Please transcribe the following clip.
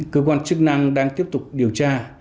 cơ quan chức năng đang tiếp tục điều tra